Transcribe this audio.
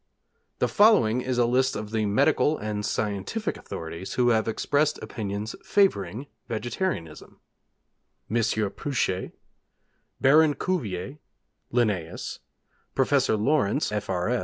The following is a list of the medical and scientific authorities who have expressed opinions favouring vegetarianism: M. Pouchet Baron Cuvier Linnæus Professor Laurence, F.R.